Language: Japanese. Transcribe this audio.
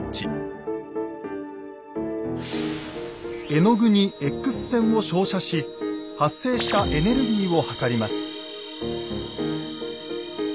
絵の具にＸ線を照射し発生したエネルギーを測ります。